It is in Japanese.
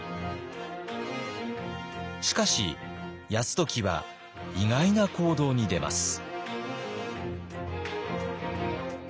しかし泰時は意外な行動に出ます。